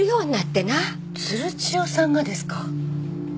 鶴千代さんがですか？